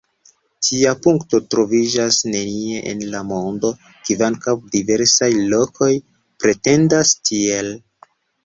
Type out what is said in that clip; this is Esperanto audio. Tia punkto troviĝas nenie en la mondo, kvankam diversaj lokoj pretendas tiel.